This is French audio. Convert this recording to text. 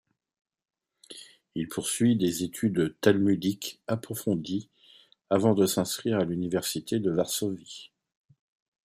Il poursuit des études talmudiques approfondies avant de s'inscrire à l'université de Varsovie.